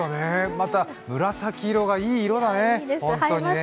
また紫色がいい色だね。